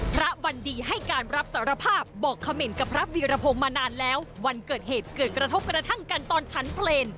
วันดีให้การรับสารภาพบอกเขม่นกับพระวีรพงศ์มานานแล้ววันเกิดเหตุเกิดกระทบกระทั่งกันตอนชั้นเพลง